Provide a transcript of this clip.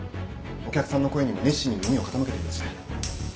お客さんの声にも熱心に耳を傾けています。